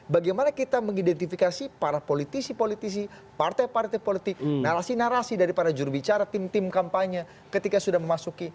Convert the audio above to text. bagaimana kita mengidentifikasi para politisi politisi partai partai politik narasi narasi dari para jurubicara tim tim kampanye ketika sudah memasuki